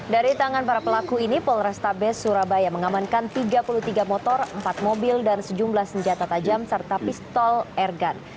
dari tangan para pelaku ini polrestabes surabaya mengamankan tiga puluh tiga motor empat mobil dan sejumlah senjata tajam serta pistol airgun